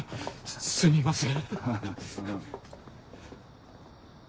すみません。